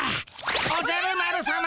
おじゃる丸さま。